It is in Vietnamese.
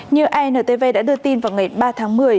như intv đã đưa tin vào ngày ba tháng một mươi